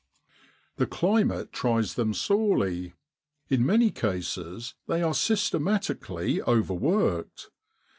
The climate tries them sorely. In many cases they are systematically overworked.